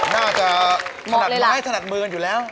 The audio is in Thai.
น่าจะถนัดร้ายถนัดมือกันอยู่แล้ว